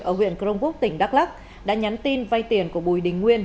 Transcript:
ở huyện crong quốc tỉnh đắk lắc đã nhắn tin vay tiền của bùi đình nguyên